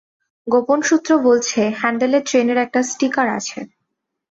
গোপন সূত্র বলছে হ্যান্ডেলে ট্রেনের একটা স্টিকার আছে।